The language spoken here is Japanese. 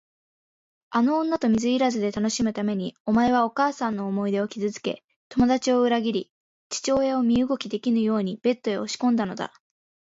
あの女と水入らずで楽しむために、お前はお母さんの思い出を傷つけ、友だちを裏切り、父親を身動きできぬようにベッドへ押しこんだのだ。